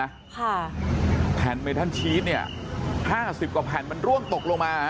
ค่ะแผ่นเมทันชีสเนี่ยห้าสิบกว่าแผ่นมันร่วงตกลงมา